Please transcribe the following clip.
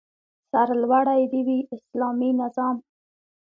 سرلوړی دې وي اسلامي نظام